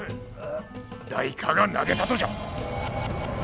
誰かが投げたとじゃ。